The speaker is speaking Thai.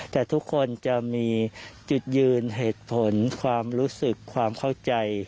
แต่ทุกคนจะมีจุดยืนเหตุผลความรู้สึกความเข้าใจ